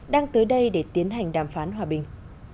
đang tới đây để tiến hành đàm phán hòa bình